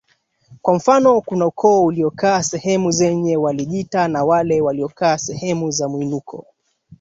Kwa mfano kuna ukoo uliokaa sehemu zenye walijiita na wale waliokaa sehemu za mwinuko